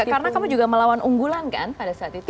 karena kamu juga melawan unggulan kan pada saat itu ya